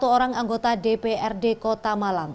empat puluh satu orang anggota dprd kota malang